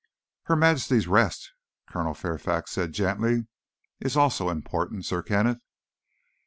"Her Majesty's rest," Colonel Fairfax said gently, "is also important, Sir Kenneth."